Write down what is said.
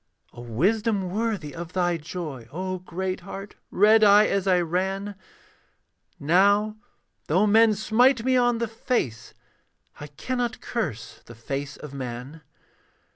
A wisdom worthy of thy joy, O great heart, read I as I ran; Now, though men smite me on the face, I cannot curse the face of man.